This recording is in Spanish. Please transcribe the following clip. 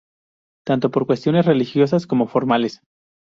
Tanto por cuestiones religiosas como formales.